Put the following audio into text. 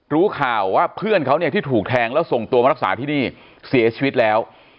รู้ข่าวว่าเพื่อนเขาเนี่ยที่ถูกแทงแล้วส่งตัวมารักษาที่นี่เสียชีวิตแล้ว